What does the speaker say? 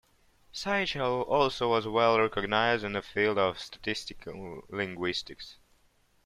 Sichel also was well recognised in the field of statistical linguistics.